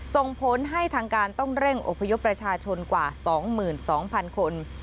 ส่งผลให้ทางการต้องเร่งอพยพประชาชนกว่า๒๒๐๐๐คน